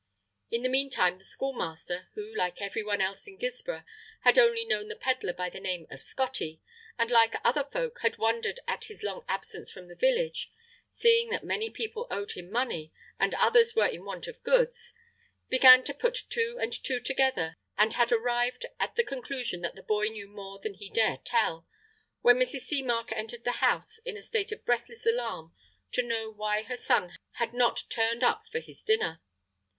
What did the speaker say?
In the meantime the Schoolmaster, who like everyone else in Guilsborough, had only known the Pedlar by the name of "Scottie," and like other folk had wondered at his long absence from the village, seeing that many people owed him money and others were in want of goods, began to put two and two together and had arrived at the conclusion that the boy knew more than he dare tell, when Mrs. Seamark entered the house in a state of breathless alarm to know why her son had not "turned up" for his dinner.